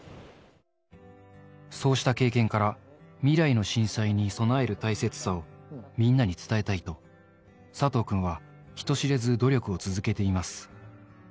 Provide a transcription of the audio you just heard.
そうした経験から、未来の震災に備える大切さをみんなに伝えたいと、佐藤君は人知れず努力を続けています。